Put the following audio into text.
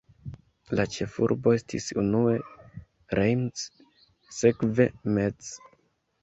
La ĉefurbo estis unue Reims, sekve Metz.